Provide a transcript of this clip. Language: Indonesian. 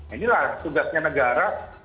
inilah tugasnya negara